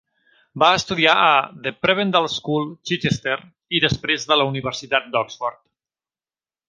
Va estudiar a The Prebendal School, Chichester, i després de la Universitat d'Oxford.